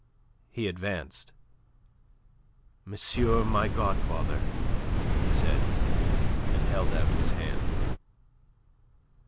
He advanced. "Monsieur my godfather!" he said, and held out his hand.